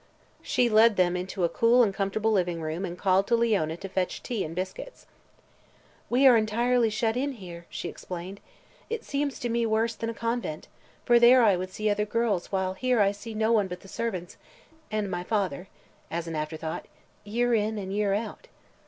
She led them into a cool and comfortable living room and called to Leona to fetch tea and biscuits. "We are entirely shut in, here," she explained. "It seems to me worse than a convent, for there I would see other girls while here I see no one but the servants and my father," as an afterthought, "year in and year out."